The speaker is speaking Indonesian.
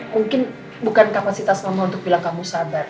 mungkin bukan kapasitas mama untuk bilang kamu sabar